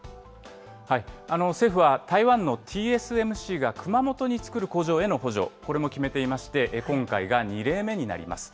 政府は台湾のＴＳＭＣが熊本に作る工場への補助、これも決めていまして、今回が２例目になります。